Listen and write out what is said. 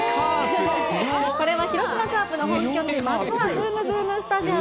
これは広島カープの本拠地、マツダズームズームスタジアム